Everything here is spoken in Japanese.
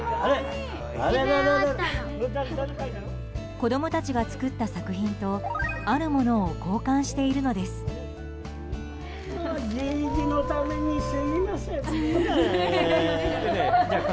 子供たちが作った作品とあるものを交換しているのです。